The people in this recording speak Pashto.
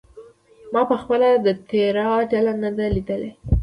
ما پخپله د تیراه ډله نه ده لیدلې.